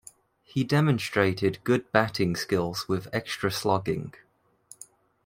He demonstrated good batting skills with extra slogging.